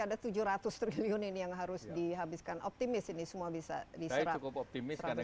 ada tujuh ratus triliun ini yang harus dihabiskan optimis ini semua bisa diserap saya cukup optimis karena